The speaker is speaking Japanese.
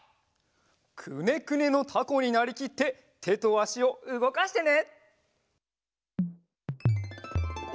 くねくねのタコになりきっててとあしをうごかしてね！